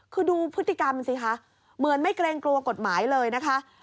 คือดูพฤติกรรมสิคะเหมือนไม่เกรงกลัวกฎหมายเลยนะคะ